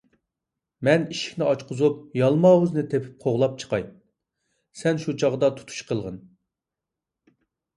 مەن ئىشىكنى ئاچقۇزۇپ، يالماۋۇزنى تېپىپ قوغلاپ چىقاي، سەن شۇ چاغدا تۇتۇش قىلغىن.